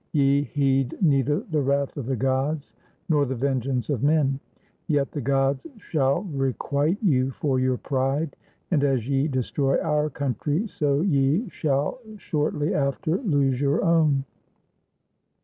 Ye heed neither the wrath of the gods, nor the vengeance of men. Yet the gods shall requite you for your pride ; and as ye destroy our country, so ye shall shortly after lose your own."